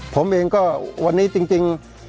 ผมเองก็วันนี้จริง